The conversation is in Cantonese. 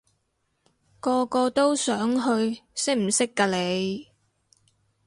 個個都想去，識唔識㗎你？